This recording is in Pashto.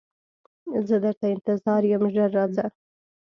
زه درته انتظار یم ژر راځه